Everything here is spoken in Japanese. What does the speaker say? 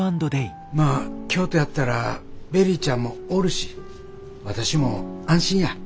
まあ京都やったらベリーちゃんもおるし私も安心や。